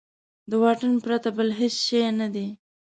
د واټن پرته بل هېڅ شی نه دی.